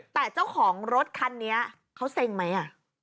แต่เจ้าของรถคันนี้เขาเซ็งไหม